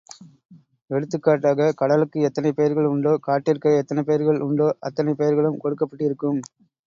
எடுத்துக்காட்டாக, கடலுக்கு எத்தனை பெயர்கள் உண்டோ காட்டிற்கு எத்தனை பெயர்கள் உண்டோ அத்தனை பெயர்களும் கொடுக்கப்பட்டிருக்கும்.